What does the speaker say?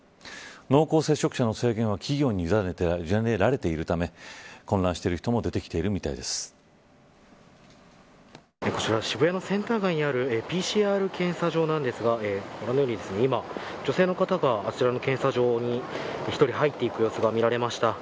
濃厚接触者の制限は企業にゆだねられているため混乱している人もこちら渋谷のセンター街にあるＰＣＲ検査場なんですが今、女性の方があちらの検査場に１人、入っていく様子が見られました。